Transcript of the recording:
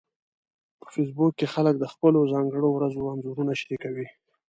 په فېسبوک کې خلک د خپلو ځانګړو ورځو انځورونه شریکوي